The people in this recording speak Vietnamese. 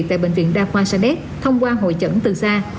tại bệnh viện đa khoa sa đéc thông qua hội chẩn từ xa